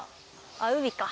あっ「海」か。